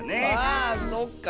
あそっか。